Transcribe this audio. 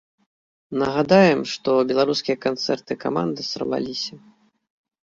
Нагадаем, што беларускія канцэрты каманды сарваліся.